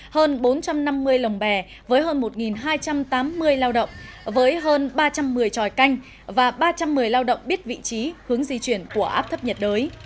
hơn bốn trăm năm mươi lồng bè với hơn một hai trăm tám mươi lao động với hơn ba trăm một mươi tròi canh và ba trăm một mươi lao động biết vị trí hướng di chuyển của áp thấp nhiệt đới